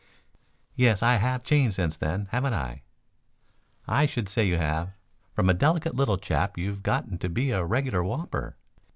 "Yes. I have changed since then, haven't I?" "I should say you have. From a delicate little chap you've gotten to be a regular whopper."